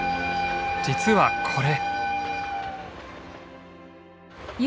実はこれ。